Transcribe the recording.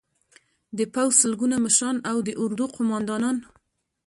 د پوځ سلګونه مشران او د اردو قومندانان